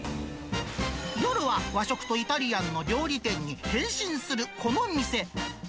夜は和食とイタリアンの料理店に変身するこの店。